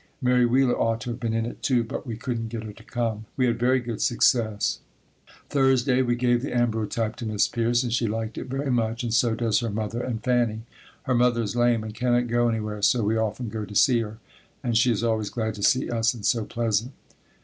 Mary Wheeler ought to have been in it, too, but we couldn't get her to come. We had very good success. Thursday. We gave the ambrotype to Miss Pierce and she liked it very much and so does her mother and Fannie. Her mother is lame and cannot go anywhere so we often go to see her and she is always glad to see us and so pleasant.